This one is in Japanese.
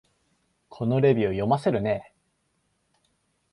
このレビュー、読ませるね